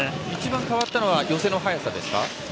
一番変わったのは寄せの速さですか。